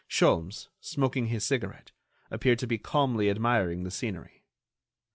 Sholmes, smoking his cigarette, appeared to be calmly admiring the scenery.